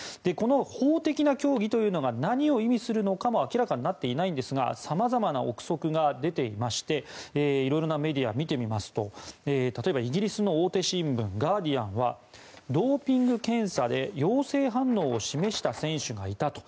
この法的な協議というのが何を意味するのかも明らかになっていないんですがさまざまな憶測が出ていましていろいろなメディアを見てみますと例えばイギリスの大手新聞ガーディアンはドーピング検査で陽性反応を示した選手がいた。